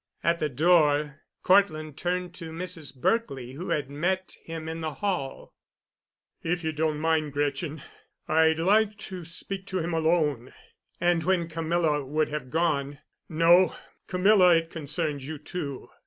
At the door Cortland turned to Mrs. Berkely who had met him in the hall. "If you don't mind, Gretchen, I'd like to speak to him alone." And, when Camilla would have gone, "No, Camilla, it concerns you, too."